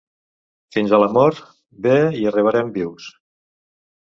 Fins a la mort, bé hi arribarem vius.